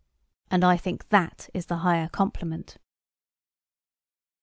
And I think that is the higher compliment."